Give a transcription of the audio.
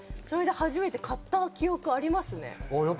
初めて買った記憶がありますね。